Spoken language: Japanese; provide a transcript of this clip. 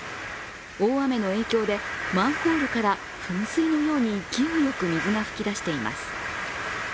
大雨の影響でマンホールから噴水のように勢いよく水が噴き出しています。